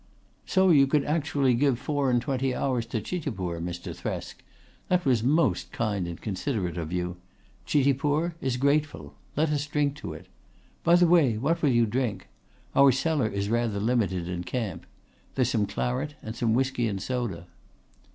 "So you could actually give four and twenty hours to Chitipur, Mr. Thresk. That was most kind and considerate of you. Chitipur is grateful. Let us drink to it! By the way what will you drink? Our cellar is rather limited in camp. There's some claret and some whisky and soda."